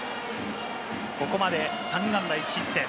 ここまで３安打１失点。